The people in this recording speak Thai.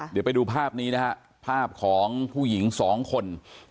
เดี๋ยวไปดูภาพนี้นะฮะภาพของผู้หญิงสองคน